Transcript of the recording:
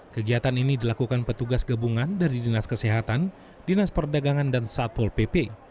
kegiatan ini dilakukan petugas gabungan dari dinas kesehatan dinas perdagangan dan satpol pp